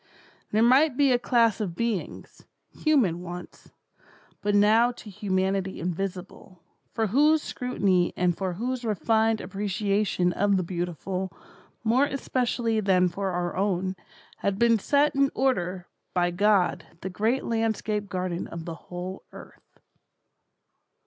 There might be a class of beings, human once, but now to humanity invisible, for whose scrutiny and for whose refined appreciation of the beautiful, more especially than for our own, had been set in order by God the great landscape garden of the whole earth.